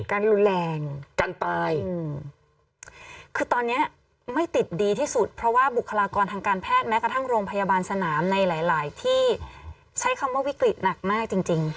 กันรุนแรงกันตายอืมคือตอนเนี้ยไม่ติดดีที่สุดเพราะว่าบุคลากรทางการแพทย์แม้กระทั่งโรงพยาบาลสนามในหลายหลายที่ใช้คำว่าวิกฤตหนักมากจริงจริง